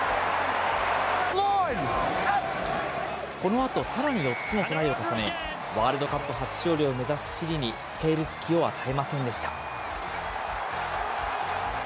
このあとさらに４つのトライを重ね、ワールドカップ初勝利を目指すチリにつけいる隙を与えませんでした。